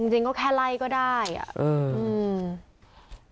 จริงก็แค่ไล่ก็ได้อ่ะอืม